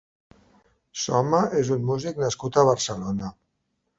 Soma és un músic nascut a Barcelona.